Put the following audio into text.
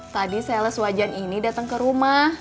tadi sales wajan ini datang ke rumah